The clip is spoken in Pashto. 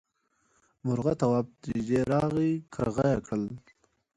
مرغه تواب ته نږدې راغی کريغه یې کړه.